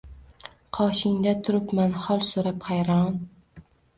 Qoshingda turibman hol so‘rab, hayron